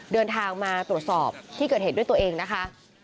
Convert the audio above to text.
เดินทางมาตรวจสอบที่เกิดเหตุด้วยตัวเองนะคะ